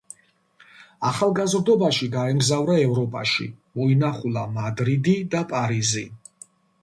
ახალგაზრდობაში გაემგზავრა ევროპაში, მოინახულა მადრიდი და პარიზი.